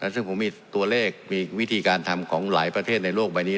ซึ่งผมมีตัวเลขมีวิธีการทำของหลายประเทศในโลกใบนี้